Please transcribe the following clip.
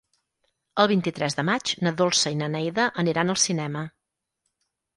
El vint-i-tres de maig na Dolça i na Neida aniran al cinema.